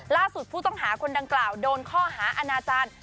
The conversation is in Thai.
ล่าสุดผู้ต้องหาคนดังกล่าวโดนข้อหาอาณาจารย์